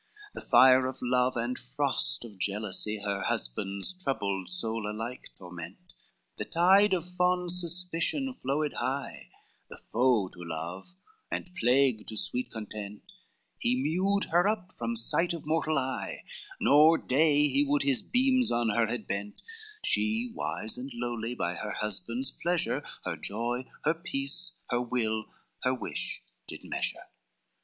XXII "The fire of love and frost of jealousy, Her husband's troubled soul alike torment, The tide of fond suspicion flowed high, The foe to love and plague to sweet content, He mewed her up from sight of mortal eye, Nor day he would his beams on her had bent: She, wise and lowly, by her husband's pleasure, Her joy, her peace, her will, her wish did measure.